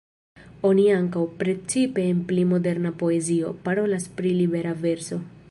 Oni ankaŭ, precipe en pli "moderna" poezio, parolas pri libera verso.